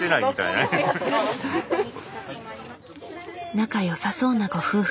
仲良さそうなご夫婦。